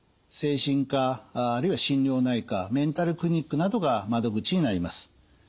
精神科あるいは心療内科メンタルクリニックなどが窓口になります。